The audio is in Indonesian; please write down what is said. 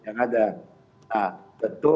yang ada nah tentu